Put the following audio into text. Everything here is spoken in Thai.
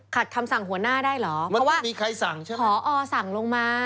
ขัดคำสั่งหัวหน้าได้เหรอเพราะว่าหอสั่งลงมา